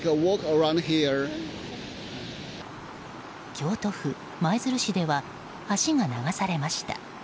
京都府舞鶴市では橋が流されました。